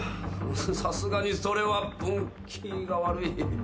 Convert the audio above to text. さすがにそれはブンキーが悪い。